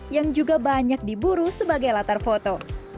yang juga banyak diburu sebagai latar foto